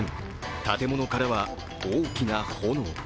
建物からは大きな炎。